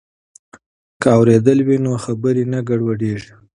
که اورېدل وي نو خبرې نه ګډوډیږي.